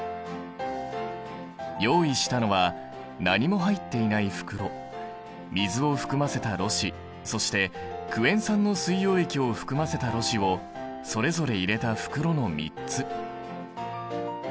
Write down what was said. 用意したのは何も入っていない袋水を含ませたろ紙そしてクエン酸の水溶液を含ませたろ紙をそれぞれ入れた袋の３つ。